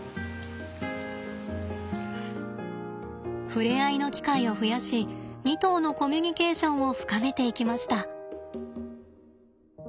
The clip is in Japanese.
触れ合いの機会を増やし２頭のコミュニケーションを深めていきました。